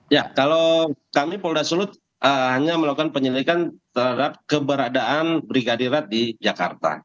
ya kalau kami polda sulut hanya melakukan penyelidikan terhadap keberadaan brigadir rat di jakarta